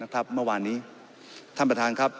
ท่านประธานครับ